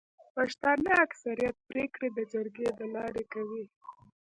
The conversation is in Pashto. پښتانه اکثريت پريکړي د جرګي د لاري کوي.